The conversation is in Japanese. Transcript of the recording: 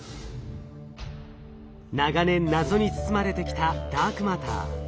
長年謎に包まれてきたダークマター。